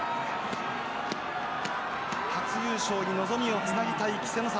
初優勝に望みをつなぎたい稀勢の里。